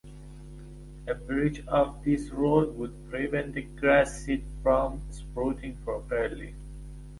A breach of this rule would prevent the grass seed from sprouting properly.